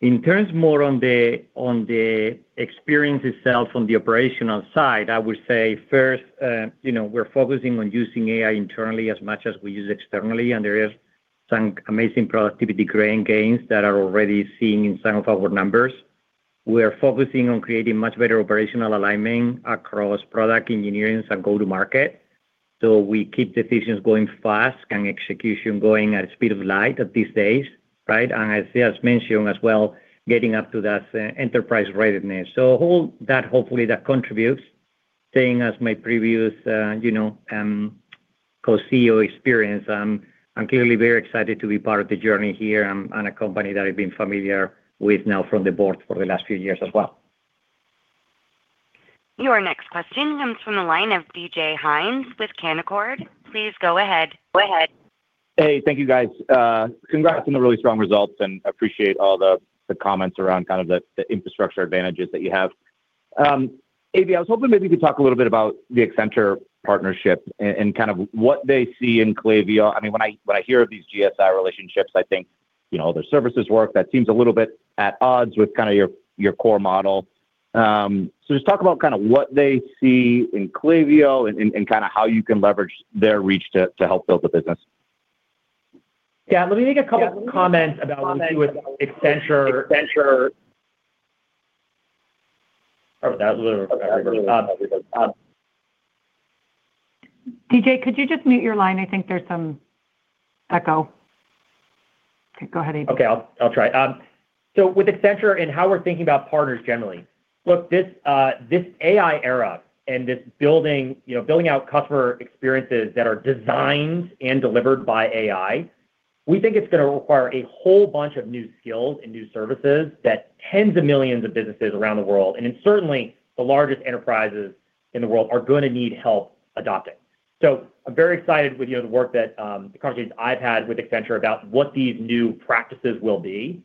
In terms, more on the experience itself on the operational side, I would say first, we're focusing on using AI internally as much as we use externally. There are some amazing productivity growing gains that are already seen in some of our numbers. We are focusing on creating much better operational alignment across product engineering and go-to-market. We keep decisions going fast and execution going at a speed of light these days, right? As mentioned as well, getting up to that enterprise readiness. Hopefully, that contributes. Saying as my previous co-CEO experience, I'm clearly very excited to be part of the journey here and a company that I've been familiar with now from the board for the last few years as well. Your next question comes from the line of DJ Hynes with Canaccord. Please go ahead. Hey, thank you, guys. Congrats on the really strong results, and I appreciate all the comments around kind of the infrastructure advantages that you have. AB, I was hoping maybe you could talk a little bit about the Accenture partnership and kind of what they see in Klaviyo. I mean, when I hear of these GSI relationships, I think other services work. That seems a little bit at odds with kind of your core model. So just talk about kind of what they see in Klaviyo and kind of how you can leverage their reach to help build the business. Yeah. Let me make a couple of comments about what we do with Accenture. DJ, could you just mute your line? I think there's some echo. Okay. Go ahead, AB. Okay. I'll try. So with Accenture and how we're thinking about partners generally, look, this AI era and this building out customer experiences that are designed and delivered by AI, we think it's going to require a whole bunch of new skills and new services that tens of millions of businesses around the world, and certainly the largest enterprises in the world, are going to need help adopting. So I'm very excited with the work that the conversations I've had with Accenture about what these new practices will be.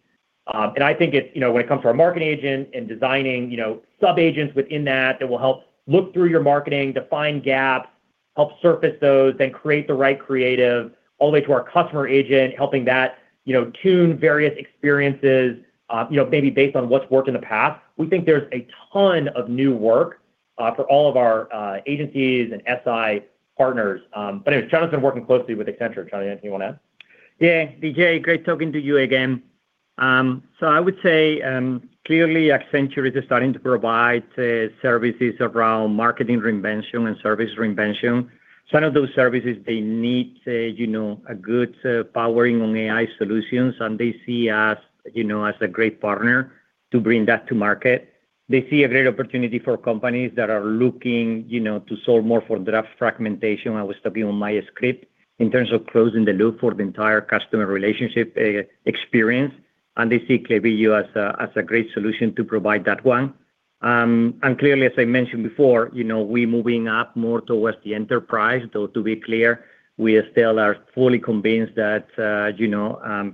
And I think when it comes to our Marketing Agent and designing sub-agents within that that will help look through your marketing, define gaps, help surface those, then create the right creative all the way to our Customer Agent, helping that tune various experiences maybe based on what's worked in the past, we think there's a ton of new work for all of our agencies and SI partners. But anyway, Chano's been working closely with Accenture. Chano, do you want to add? Yeah. DJ, great talking to you again. So I would say clearly, Accenture is starting to provide services around marketing reinvention and service reinvention. Some of those services, they need a good powering on AI solutions, and they see us as a great partner to bring that to market. They see a great opportunity for companies that are looking to solve more for that fragmentation. I was talking on my script in terms of closing the loop for the entire customer relationship experience. And they see Klaviyo as a great solution to provide that one. And clearly, as I mentioned before, we're moving up more towards the enterprise. Though to be clear, we still are fully convinced that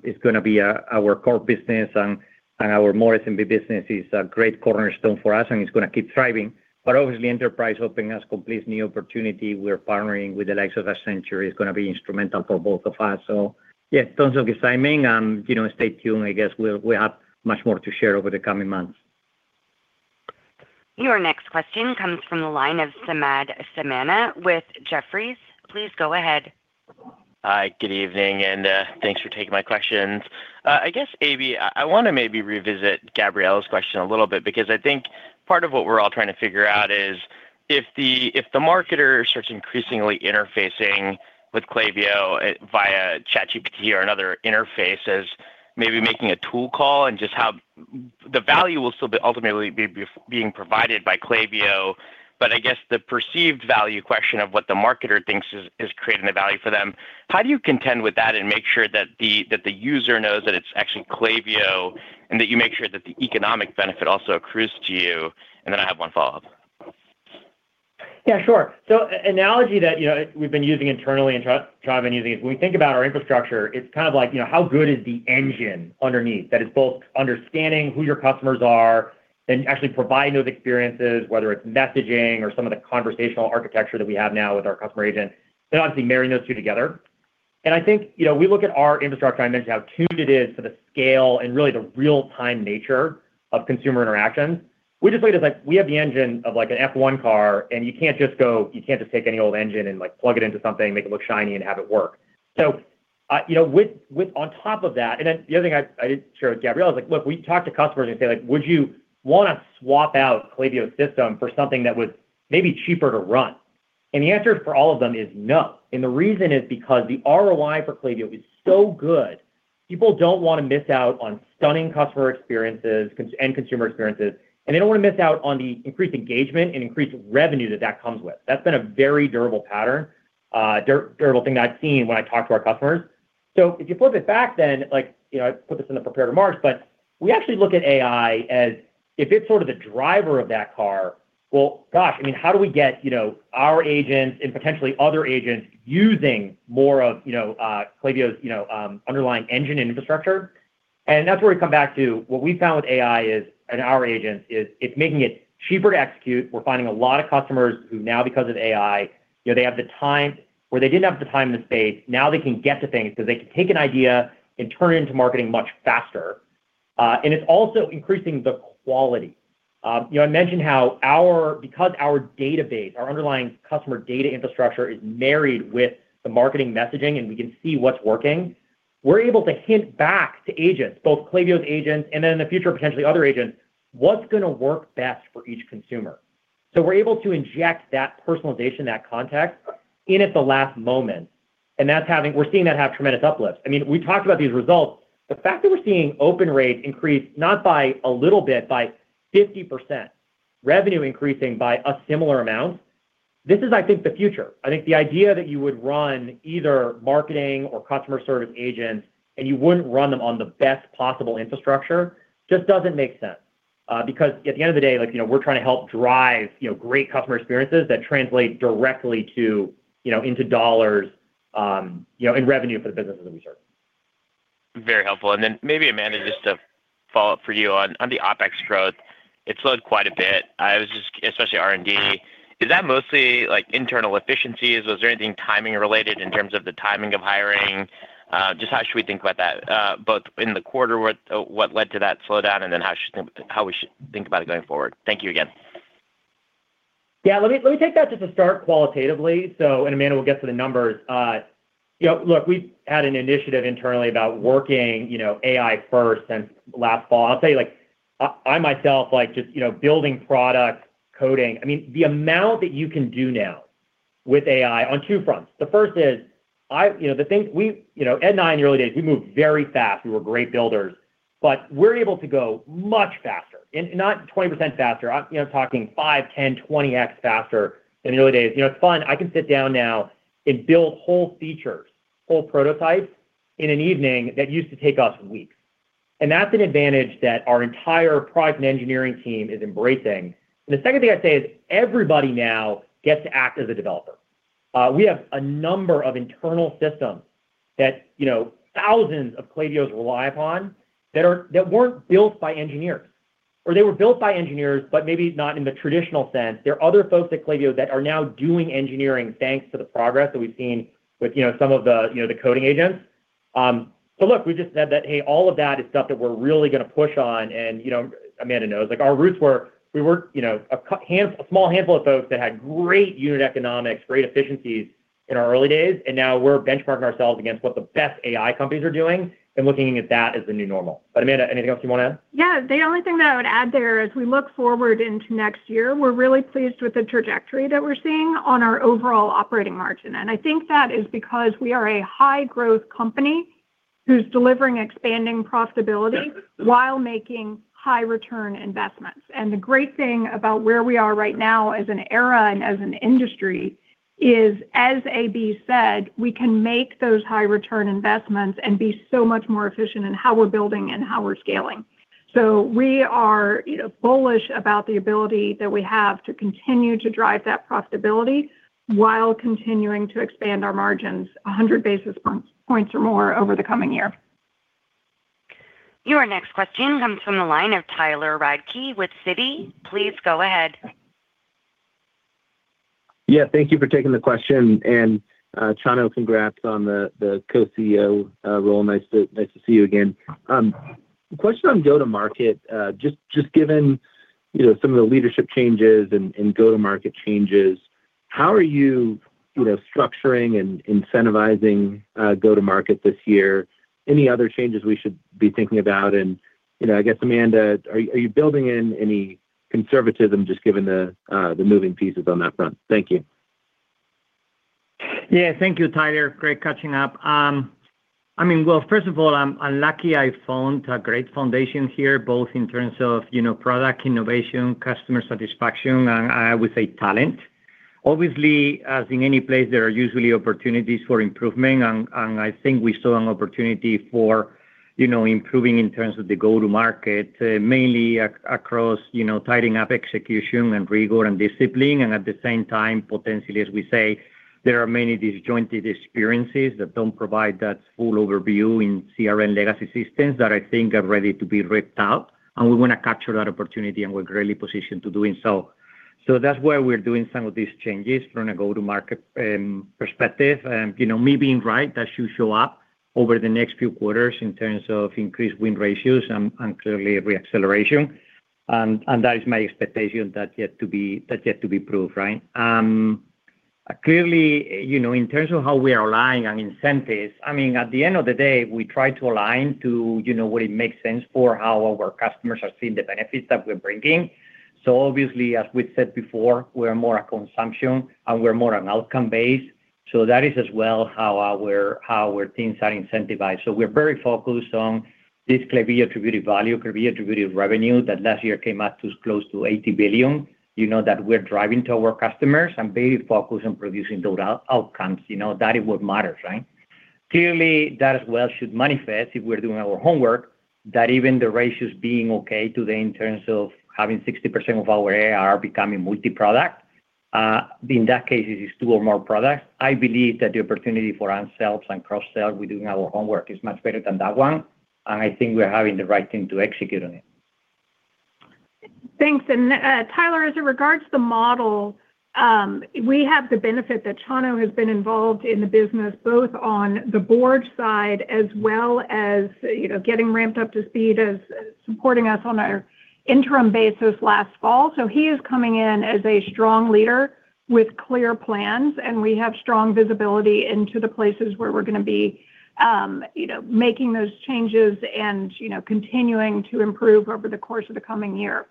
it's going to be our core business, and our more SMB business is a great cornerstone for us, and it's going to keep thriving. But obviously, enterprise opening us complete new opportunity. We're partnering with the likes of Accenture. It's going to be instrumental for both of us. So yeah, tons of excitement. Stay tuned. I guess we'll have much more to share over the coming months. Your next question comes from the line of Samad Samana with Jefferies. Please go ahead. Hi. Good evening. Thanks for taking my questions. I guess, AB, I want to maybe revisit Gabriela's question a little bit because I think part of what we're all trying to figure out is if the marketer starts increasingly interfacing with Klaviyo via ChatGPT or another interface as maybe making a tool call and just how the value will still ultimately be being provided by Klaviyo. But I guess the perceived value question of what the marketer thinks is creating the value for them, how do you contend with that and make sure that the user knows that it's actually Klaviyo and that you make sure that the economic benefit also accrues to you? Then I have one follow-up. Yeah. Sure. So an analogy that we've been using internally and Chano's been using is when we think about our infrastructure, it's kind of like how good is the engine underneath that is both understanding who your customers are and actually providing those experiences, whether it's messaging or some of the conversational architecture that we have now with our Customer Agent, then obviously marrying those two together. And I think we look at our infrastructure. I mentioned how tuned it is for the scale and really the real-time nature of consumer interactions. We just look at it as we have the engine of an F1 car, and you can't just take any old engine and plug it into something, make it look shiny, and have it work. So on top of that and then the other thing I didn't share with Gabriela is like, look, we talk to customers and say, would you want to swap out Klaviyo's system for something that was maybe cheaper to run? And the answer for all of them is no. And the reason is because the ROI for Klaviyo is so good. People don't want to miss out on stunning customer experiences and consumer experiences. And they don't want to miss out on the increased engagement and increased revenue that that comes with. That's been a very durable pattern, durable thing that I've seen when I talk to our customers. So if you flip it back, then I put this in the prepared remarks, but we actually look at AI as if it's sort of the driver of that car. Well, gosh, I mean, how do we get our agents and potentially other agents using more of Klaviyo's underlying engine and infrastructure? That's where we come back to what we found with AI and our agents is it's making it cheaper to execute. We're finding a lot of customers who now, because of AI, they have the time where they didn't have the time and the space. Now they can get to things because they can take an idea and turn it into marketing much faster. It's also increasing the quality. I mentioned how because our database, our underlying customer data infrastructure is married with the marketing messaging, and we can see what's working, we're able to hint back to agents, both Klaviyo's agents and then in the future, potentially other agents, what's going to work best for each consumer. So we're able to inject that personalization, that context in at the last moment. And we're seeing that have tremendous uplifts. I mean, we talked about these results. The fact that we're seeing open rates increase not by a little bit, by 50%, revenue increasing by a similar amount, this is, I think, the future. I think the idea that you would run either marketing or customer service agents and you wouldn't run them on the best possible infrastructure just doesn't make sense because at the end of the day, we're trying to help drive great customer experiences that translate directly into dollars and revenue for the businesses that we serve. Very helpful. And then maybe, Amanda, just a follow-up for you on the OpEx growth. It slowed quite a bit, especially R&D. Is that mostly internal efficiencies? Was there anything timing-related in terms of the timing of hiring? Just how should we think about that, both in the quarter, what led to that slowdown, and then how we should think about it going forward? Thank you again. Yeah. Let me take that just to start qualitatively. And Amanda, we'll get to the numbers. Look, we've had an initiative internally about working AI-first since last fall. I'll tell you, I myself, just building product, coding I mean, the amount that you can do now with AI on two fronts. The first is the thing Ed and I in the early days, we moved very fast. We were great builders. But we're able to go much faster, not 20% faster. I'm talking 5x, 10x, 20x faster than the early days. It's fun. I can sit down now and build whole features, whole prototypes in an evening that used to take us weeks. And that's an advantage that our entire product and engineering team is embracing. And the second thing I'd say is everybody now gets to act as a developer. We have a number of internal systems that thousands of Klaviyo's rely upon that weren't built by engineers. Or they were built by engineers, but maybe not in the traditional sense. There are other folks at Klaviyo that are now doing engineering thanks to the progress that we've seen with some of the coding agents. So look, we've just said that, hey, all of that is stuff that we're really going to push on. And Amanda knows. Our roots were, we were a small handful of folks that had great unit economics, great efficiencies in our early days. And now we're benchmarking ourselves against what the best AI companies are doing and looking at that as the new normal. But Amanda, anything else you want to add? Yeah. The only thing that I would add there is we look forward into next year. We're really pleased with the trajectory that we're seeing on our overall operating margin. And I think that is because we are a high-growth company who's delivering expanding profitability while making high-return investments. And the great thing about where we are right now as an era and as an industry is, as AB said, we can make those high-return investments and be so much more efficient in how we're building and how we're scaling. So we are bullish about the ability that we have to continue to drive that profitability while continuing to expand our margins 100 basis points or more over the coming year. Your next question comes from the line of Tyler Radke with Citi. Please go ahead. Yeah. Thank you for taking the question. Chano, congrats on the co-CEO role. Nice to see you again. Question on go-to-market. Just given some of the leadership changes and go-to-market changes, how are you structuring and incentivizing go-to-market this year? Any other changes we should be thinking about? I guess, Amanda, are you building in any conservatism just given the moving pieces on that front? Thank you. Yeah. Thank you, Tyler. Great catching up. I mean, well, first of all, I'm lucky I found a great foundation here, both in terms of product innovation, customer satisfaction, and I would say talent. Obviously, as in any place, there are usually opportunities for improvement. And I think we saw an opportunity for improving in terms of the go-to-market, mainly across tightening up execution and rigor and discipline. And at the same time, potentially, as we say, there are many disjointed experiences that don't provide that full overview in CRM legacy systems that I think are ready to be ripped out. And we want to capture that opportunity, and we're greatly positioned to do it. So that's why we're doing some of these changes from a go-to-market perspective. Me being right, that should show up over the next few quarters in terms of increased win ratios and clearly reacceleration. That is my expectation that's yet to be proved, right? Clearly, in terms of how we are aligned and incentives, I mean, at the end of the day, we try to align to what it makes sense for how our customers are seeing the benefits that we're bringing. So obviously, as we said before, we are more a consumption, and we're more an outcome-based. So that is as well how our things are incentivized. So we're very focused on this Klaviyo Attributed Value, Klaviyo-attributed revenue that last year came up to close to $80 billion, that we're driving to our customers and very focused on producing those outcomes. That is what matters, right? Clearly, that as well should manifest if we're doing our homework, that even the ratios being okay today in terms of having 60% of our ARR becoming multi-product, in that case, it is two or more products. I believe that the opportunity for ourselves and cross-sell with doing our homework is much better than that one. And I think we're having the right thing to execute on it. Thanks. And Tyler, as it regards the model, we have the benefit that Chano has been involved in the business both on the board side as well as getting ramped up to speed as supporting us on an interim basis last fall. So he is coming in as a strong leader with clear plans. And we have strong visibility into the places where we're going to be making those changes and continuing to improve over the course of the coming year.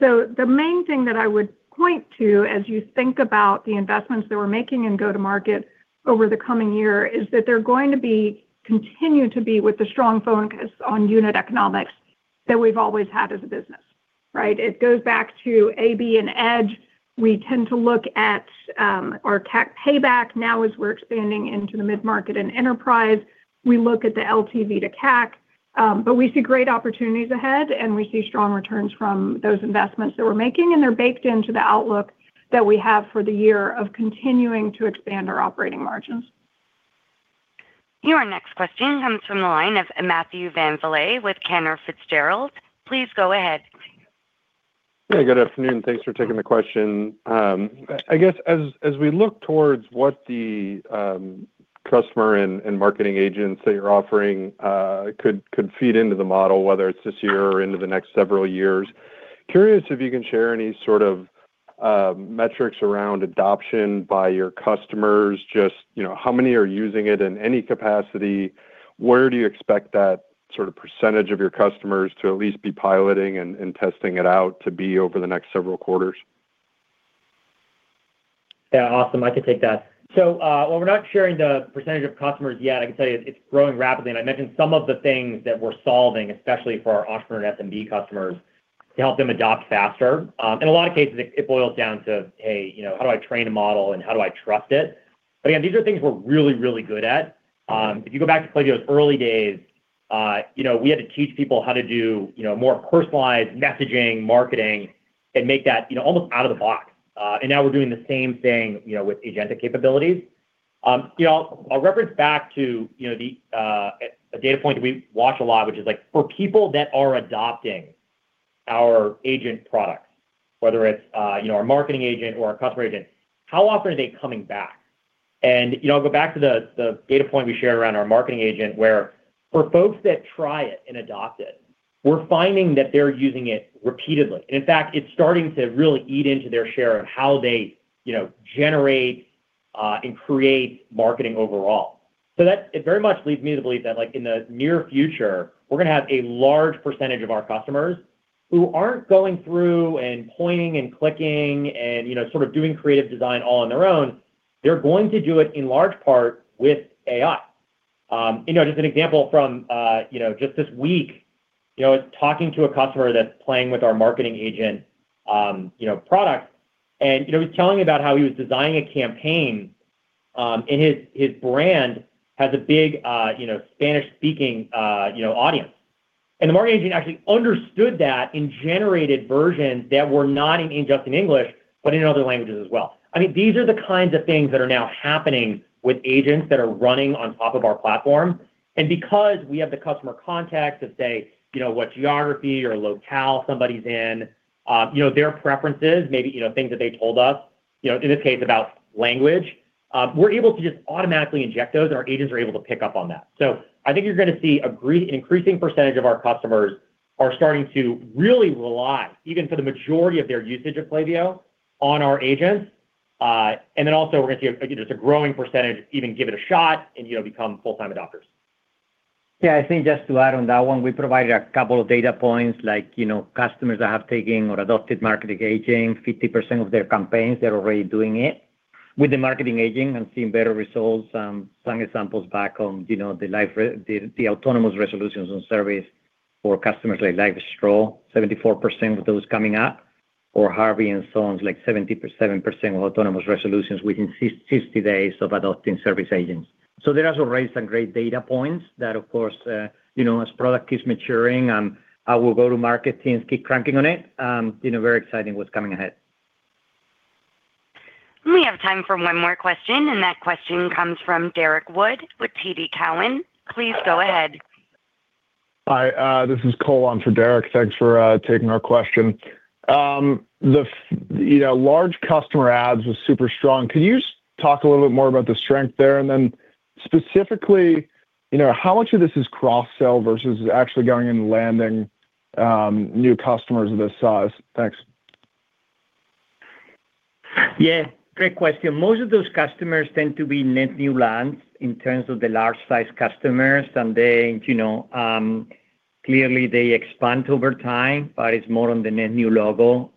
So the main thing that I would point to as you think about the investments that we're making in go-to-market over the coming year is that they're going to continue to be with the strong focus on unit economics that we've always had as a business, right? It goes back to AB and Ed. We tend to look at our CAC payback. Now, as we're expanding into the mid-market and enterprise, we look at the LTV to CAC. But we see great opportunities ahead, and we see strong returns from those investments that we're making. And they're baked into the outlook that we have for the year of continuing to expand our operating margins. Your next question comes from the line of Matthew VanVliet with Cantor Fitzgerald. Please go ahead. Yeah. Good afternoon. Thanks for taking the question. I guess as we look towards what the customer and Marketing Agents that you're offering could feed into the model, whether it's this year or into the next several years, curious if you can share any sort of metrics around adoption by your customers, just how many are using it in any capacity? Where do you expect that sort of percentage of your customers to at least be piloting and testing it out to be over the next several quarters? Yeah. Awesome. I can take that. While we're not sharing the percentage of customers yet, I can tell you it's growing rapidly. I mentioned some of the things that we're solving, especially for our entrepreneur and SMB customers, to help them adopt faster. In a lot of cases, it boils down to, hey, how do I train a model, and how do I trust it? But again, these are things we're really, really good at. If you go back to Klaviyo's early days, we had to teach people how to do more personalized messaging, marketing, and make that almost out of the box. Now we're doing the same thing with agentic capabilities. I'll reference back to a data point that we watch a lot, which is for people that are adopting our agent products, whether it's our Marketing Agent or our Customer Agent, how often are they coming back? I'll go back to the data point we shared around our Marketing Agent where for folks that try it and adopt it, we're finding that they're using it repeatedly. In fact, it's starting to really eat into their share of how they generate and create marketing overall. So it very much leads me to believe that in the near future, we're going to have a large percentage of our customers who aren't going through and pointing and clicking and sort of doing creative design all on their own. They're going to do it in large part with AI. Just an example from just this week, talking to a customer that's playing with our Marketing Agent product. And he was telling me about how he was designing a campaign, and his brand has a big Spanish-speaking audience. And the Marketing Agent actually understood that and generated versions that were not just in English, but in other languages as well. I mean, these are the kinds of things that are now happening with agents that are running on top of our platform. And because we have the customer context of, say, what geography or locale somebody's in, their preferences, maybe things that they told us, in this case, about language, we're able to just automatically inject those, and our agents are able to pick up on that. I think you’re going to see an increasing percentage of our customers are starting to really rely, even for the majority of their usage of Klaviyo, on our agents. Then also, we’re going to see just a growing percentage even give it a shot and become full-time adopters. Yeah. I think just to add on that one, we provided a couple of data points. Customers that have taken or adopted Marketing Agent, 50% of their campaigns, they're already doing it with the Marketing Agent and seeing better results. Some examples back on the autonomous resolutions on service for customers like LifeStraw, 74% of those coming up. Or Harney & Sons, like 77% of autonomous resolutions within 60 days of adopting service agents. So there are already some great data points that, of course, as product keeps maturing, I will go to market teams, keep cranking on it. Very exciting what's coming ahead. We have time for one more question. That question comes from Derrick Wood with TD Cowen. Please go ahead. Hi. This is Cole on for Derrick. Thanks for taking our question. Large customer adds was super strong. Could you just talk a little bit more about the strength there? And then specifically, how much of this is cross-sell versus actually going and landing new customers of this size? Thanks. Yeah. Great question. Most of those customers tend to be net new lands in terms of the large-sized customers. And then clearly, they expand over time, but it's more on the net new logo.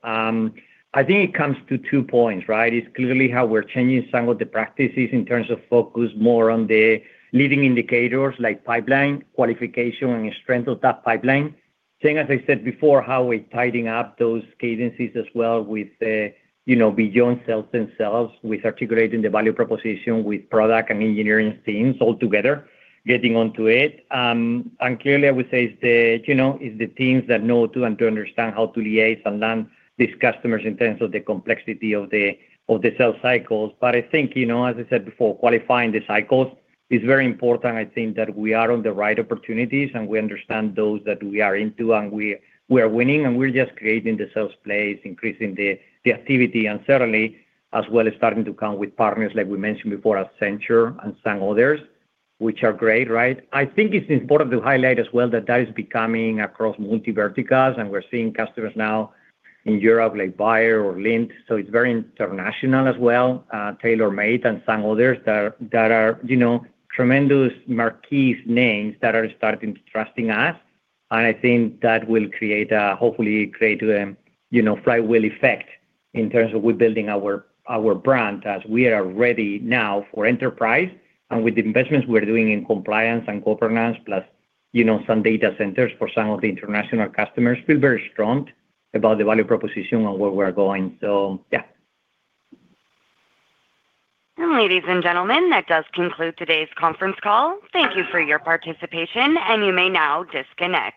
I think it comes to two points, right? It's clearly how we're changing some of the practices in terms of focus more on the leading indicators like pipeline, qualification, and strength of that pipeline. Same as I said before, how we're tidying up those cadences as well with beyond sales themselves, with articulating the value proposition with product and engineering teams altogether, getting onto it. And clearly, I would say it's the teams that know to and to understand how to liaise and land these customers in terms of the complexity of the sales cycles. But I think, as I said before, qualifying the cycles is very important. I think that we are on the right opportunities, and we understand those that we are into, and we are winning. We're just creating the sales plays, increasing the activity, and certainly, as well, starting to count with partners like we mentioned before, Accenture and some others, which are great, right? I think it's important to highlight as well that that is becoming across multi-verticals. We're seeing customers now in Europe like Bayer or Lindt. So it's very international as well, TaylorMade and some others that are tremendous marquee names that are starting to trust in us. I think that will hopefully create a flywheel effect in terms of we're building our brand as we are ready now for enterprise. And with the investments we're doing in compliance and governance, plus some data centers for some of the international customers, feel very strong about the value proposition and where we are going. So yeah. Ladies and gentlemen, that does conclude today's conference call. Thank you for your participation. And you may now disconnect.